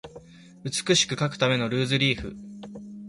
美しく書くためのルーズリーフ